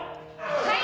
はい！